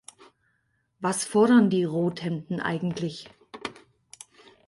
Was fordern die "Rothemden" eigentlich?